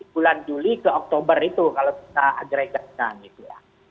bulan juli ke oktober itu kalau kita agregatkan gitu ya